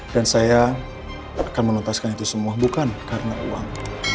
dan saya akan menuntaskan itu semua bukan karena uang